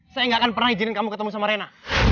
saya gak akan pernah izinin kamu ketemu sama rina